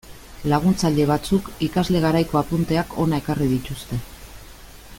Laguntzaile batzuk ikasle garaiko apunteak hona ekarri dituzte.